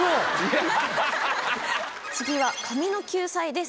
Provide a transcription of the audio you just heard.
次は「髪の救済」です